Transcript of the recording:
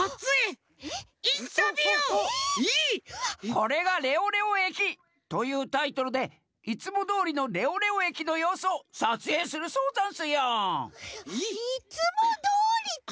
「これがレオレオえき！」というタイトルでいつもどおりのレオレオえきのようすをさつえいするそうざんすよ！いつもどおりっていわれても。